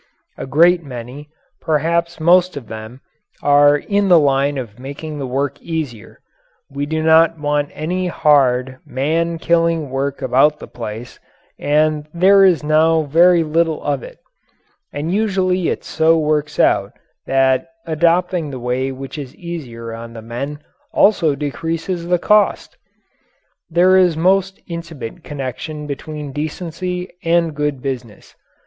A great many perhaps most of them are in the line of making the work easier. We do not want any hard, man killing work about the place, and there is now very little of it. And usually it so works out that adopting the way which is easier on the men also decreases the cost. There is most intimate connection between decency and good business.